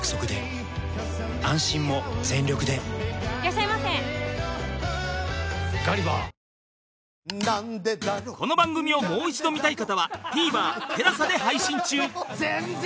そしてこのあとこの番組をもう一度見たい方は ＴＶｅｒＴＥＬＡＳＡ で配信中